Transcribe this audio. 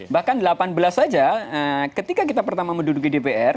bahkan delapan belas saja ketika kita pertama menduduki dpr